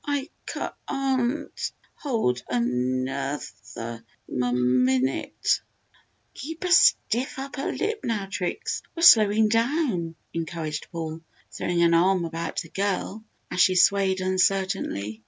"I ca an t hold ano oth er m m min ute!" "Keep a stiff upper lip, now, Trix! We're slowing down!" encouraged Paul, throwing an arm about the girl as she swayed uncertainly.